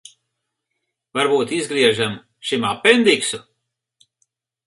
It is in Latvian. Varbūt izgriežam šim apendiksu?